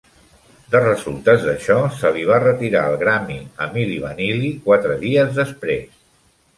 De resultes d'això, se li va retirar el grammy a Milli Vanilli quatre dies després.